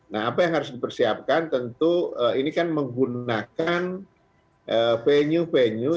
nah apa yang harus dipersiapkan tentu ini kan menggunakan venue venue